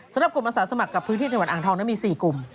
สำหรับกลุ่มอาสาสมัครกับพื้นที่จังหวัดอ่างทองนั้นมี๔กลุ่ม